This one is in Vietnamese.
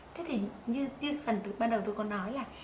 thế thì như tiên phần từ ban đầu tôi có nói là